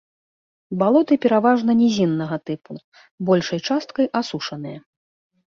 Балоты пераважна нізіннага тыпу, большай часткай асушаныя.